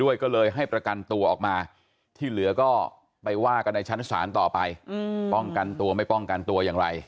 ด้วยก็เลยให้ประกันตัวออกมาที่เหลือก็ไปว่ากันในชั้นศาลต่อไปป้องกันตัวไม่ป้องกันตัวอย่างไร